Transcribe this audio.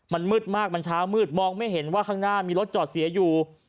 มันมืดมากมันเช้ามืดมองไม่เห็นว่าข้างหน้ามีรถจอดเสียอยู่